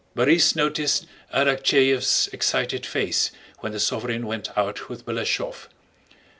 Borís noticed Arakchéev's excited face when the sovereign went out with Balashëv.